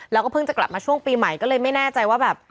แล้วก็เพิ่งจะกลับมาช่วงปีใหม่ก็เลยไม่แน่ใจว่าแบบ